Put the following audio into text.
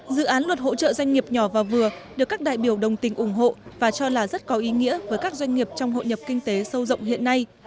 dự án luật hỗ trợ doanh nghiệp nhỏ và vừa được các đại biểu đồng tình ủng hộ và cho là rất có ý nghĩa với các doanh nghiệp trong hội nhập kinh tế sâu rộng hiện nay